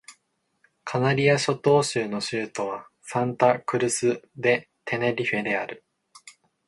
カナリア諸島州の州都はサンタ・クルス・デ・テネリフェである